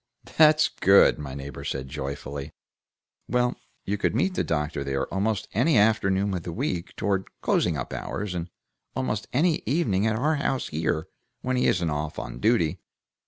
"That's good!" my neighbor said, joyfully. "Well, you could meet the doctor there almost any afternoon of the week, toward closing up hours, and almost any evening at our house here, when he isn't off on duty.